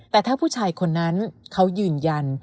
แต่ถ้าผู้ชายคนนั้นเขายืนยัน